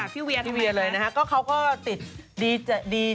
พี่เวียเลยนะฮะเขาก็ติด